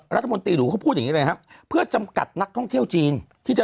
รัฐมนตรีหรูเขาพูดอย่างนี้เลยครับเพื่อจำกัดนักท่องเที่ยวจีนที่จะ